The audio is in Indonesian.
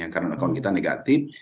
karena account kita negatif